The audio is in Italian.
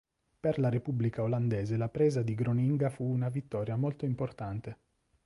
Per la repubblica olandese la presa di Groninga fu una vittoria molto importante.